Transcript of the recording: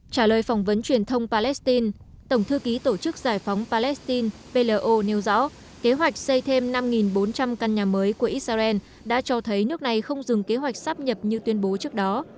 trả lời phỏng vấn truyền thông palestine tổng thư ký tổ chức giải phóng palestine plo nêu rõ kế hoạch xây thêm năm bốn trăm linh căn nhà mới của israel đã cho thấy nước này không dừng kế hoạch sắp nhập như tuyên bố trước đó